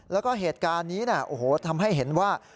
แล้วก็เหตุการณ์นี้โอ้โหทำให้เห็นว่า